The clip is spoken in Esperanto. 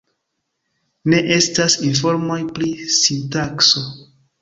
Ne estas informoj pri sintakso.